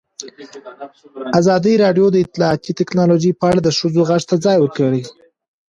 ازادي راډیو د اطلاعاتی تکنالوژي په اړه د ښځو غږ ته ځای ورکړی.